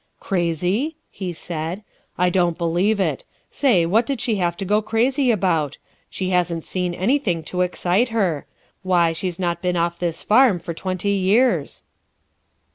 "Crazy?" he said, "I don't believe it. Say, what did she have to go crazy about? She hasn't seen anything to excite her. Why, she's not been off this farm for twenty years!"